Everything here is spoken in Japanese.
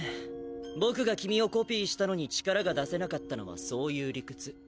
僕が君をコピーしたのに力が出せなかったのはそういう理屈。